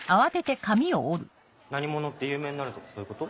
「何者」って有名になるとかそういうこと？